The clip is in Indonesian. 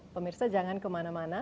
pemirsa jangan kemana mana